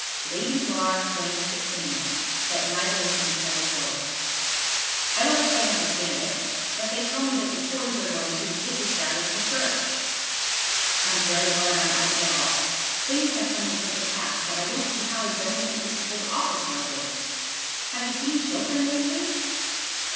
Lady Laura glanced at Phineas; but neither of them said a word. "I don't quite understand it; but they tell me that the Tories are going to disestablish the Church. I'm very glad I'm out of it all. Things have come to such a pass that I don't see how a gentleman is to hold office now a days. Have you seen Chiltern lately?"